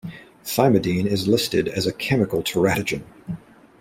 Thymidine is listed as a chemical teratogen.